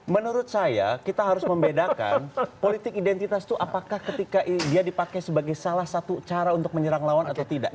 menurut saya kita harus membedakan politik identitas itu apakah ketika dia dipakai sebagai salah satu cara untuk menyerang lawan atau tidak